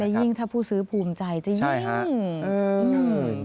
ยิ่งถ้าผู้ซื้อภูมิใจจะยิ่ง